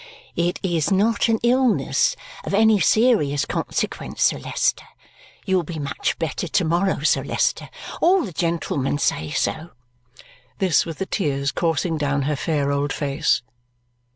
"It is not an illness of any serious consequence, Sir Leicester. You will be much better to morrow, Sir Leicester. All the gentlemen say so." This, with the tears coursing down her fair old face.